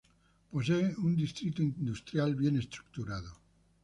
Posee un distrito industrial bien estructurado.